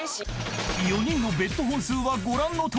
［４人のＢＥＴ本数はご覧のとおり］